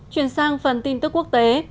chuyển sang phần tin tức quốc tế